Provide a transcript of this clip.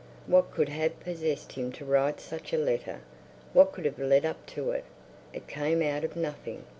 _ What could have possessed him to write such a letter! What could have led up to it! It came out of nothing.